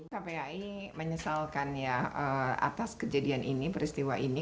kpai menyesalkan ya atas kejadian ini peristiwa ini